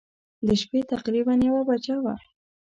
د شپې تقریباً یوه بجه وه.